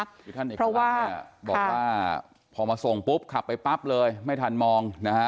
เพราะว่าพอมาส่งปุ๊บขับไปปั๊บเลยไม่ทันมองนะฮะ